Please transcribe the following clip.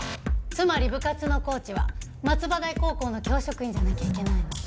つまり部活のコーチは松葉台高校の教職員じゃなきゃいけないの。